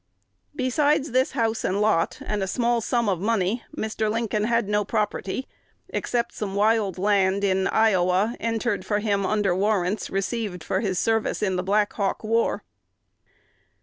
Besides this house and lot, and a small sum of money, Mr. Lincoln had no property, except some wild land in Iowa, entered for him under warrants, received for his service in the Black Hawk War.